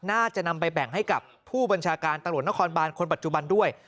น่าจะนำไปแบ่งให้กับผู้บัญชาการตำรวจนครบานคนปัจจุบันด้วย